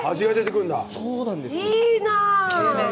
いいな。